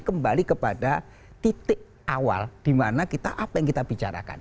kembali kepada titik awal dimana kita apa yang kita bicarakan